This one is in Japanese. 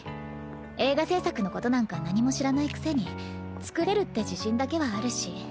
映画制作のことなんか何も知らないくせに作れるって自信だけはあるし。